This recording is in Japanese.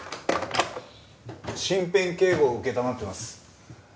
身辺警護を承ってます。